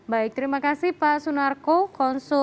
baik terima kasih pak sunarko